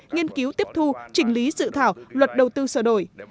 nghiên cứu tiếp thu trình lý dự thảo luật đầu tư sở đổi